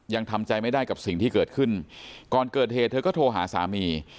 ยังทำใจไม่ได้กับสิ่งที่เกิดขึ้นก่อนเกิดเหตุเธอก็โทรหาสามี